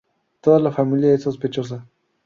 Toda la familia es sospechosa.